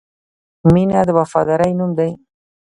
• مینه د وفادارۍ نوم دی.